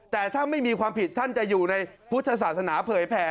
แต่ถ้าไม่มีความผิดท่านจะอยู่ในพุทธศาสนาเผยแผ่